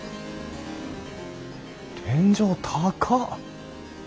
天井高っ！